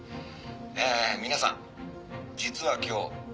えー皆さん実は今日